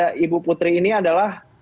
nah ibu putri ini adalah